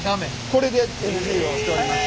これでＮＧをしております。